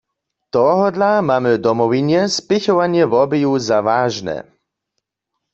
Tohodla mamy w Domowinje spěchowanje wobeju za wažne.